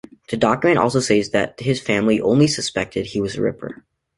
This document also says that his family only "suspected" he was the Ripper.